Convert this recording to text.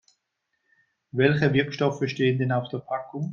Welche Wirkstoffe stehen denn auf der Packung?